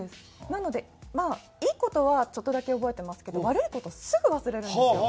なのでまあいい事はちょっとだけ覚えてますけど悪い事すぐ忘れるんですよ！